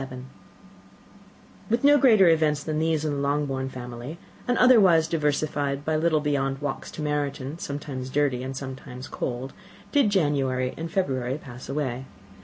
With no greater events than these in the Longbourn family, and otherwise diversified by little beyond the walks to Meryton, sometimes dirty and sometimes cold, did January and February pass away.